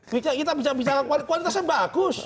kita bicara bicara kualitasnya bagus